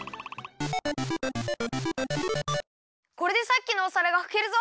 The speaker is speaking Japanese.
これでさっきのお皿がふけるぞ！